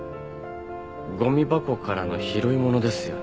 ごみ箱からの拾い物ですよね？